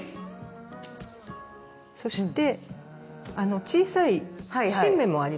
そして小さい新芽もあります。